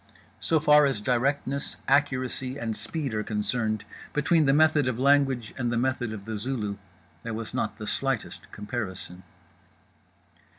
So far as directness, accuracy and speed are concerned, between the method of language and the method of The Zulu, there was not the slightest comparison.